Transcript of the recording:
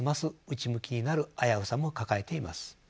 内向きになる危うさも抱えています。